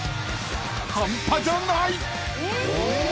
［半端じゃない！］え！